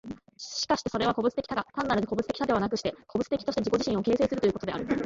しかしてそれは個物的多が、単なる個物的多ではなくして、個物的として自己自身を形成するということである。